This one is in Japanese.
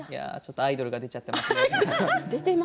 アイドルが出ちゃっていますね。